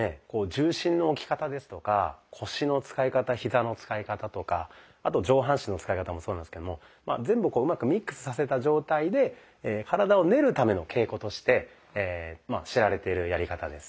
重心の置き方ですとか腰の使い方ヒザの使い方とかあと上半身の使い方もそうなんですけども全部をうまくミックスさせた状態でとして知られているやり方です。